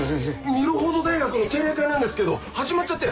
ミルフォード大学の定例会なんですけど始まっちゃって。